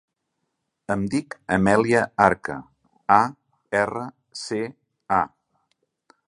Em dic Amèlia Arca: a, erra, ce, a.